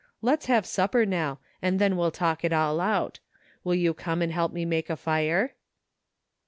" Let's have supper now, and then we'll talk it all out Will you come and help me make a fire